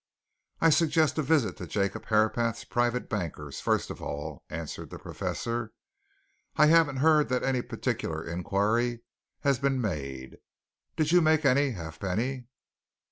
"I suggest a visit to Jacob Herapath's bankers, first of all," answered the Professor. "I haven't heard that any particular inquiry has been made. Did you make any, Halfpenny?"